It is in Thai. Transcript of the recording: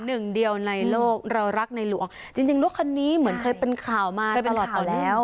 หนึ่งเดียวในโลกเรารักในหลวงจริงจริงรถคันนี้เหมือนเคยเป็นข่าวมาตลอดต่อแล้ว